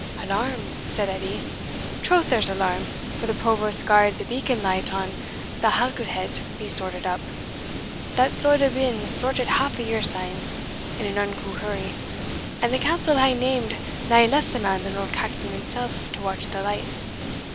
"Alarm?" said Edie, "troth there's alarm, for the provost's gar'd the beacon light on the Halket head be sorted up (that suld hae been sorted half a year syne) in an unco hurry, and the council hae named nae less a man than auld Caxon himsell to watch the light.